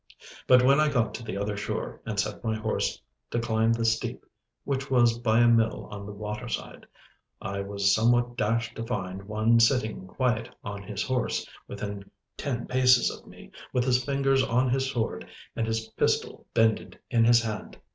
But when I got to the other shore, and set my horse to climb the steep (which was by a mill on the waterside), I was somewhat dashed to find one sitting quiet on his horse, within ten paces of me, with his fingers on his sword and his pistol bended in his hand.